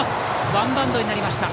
ワンバウンドになりました。